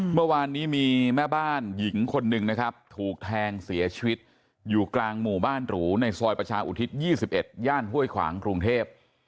เมื่อวานนี้มีแม่บ้านหญิงคนหนึ่งนะครับถูกแทงเสียชีวิตอยู่กลางหมู่บ้านหรูในซอยประชาอุทิศ๒๑ย่านห้วยขวางกรุงเทพ